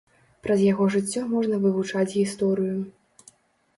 Праз яго жыццё можна вывучаць гісторыю.